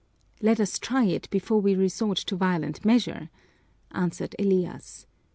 "Let us try it before we resort to violent measure," answered Elias.